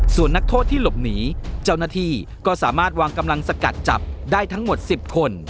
ส่วนนักโทษที่หลบหนีเจ้าหน้าที่ก็สามารถวางกำลังสกัดจับได้ทั้งหมด๑๐คน